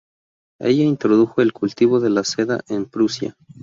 Ella introdujo el cultivo de la seda en Prusia.